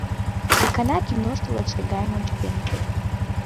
Икана киношто лач тыгайым ончыктеныт...